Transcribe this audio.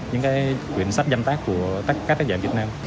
những cái quyển sách danh tác của tất các tác giả việt nam